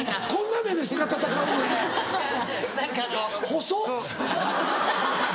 細っ！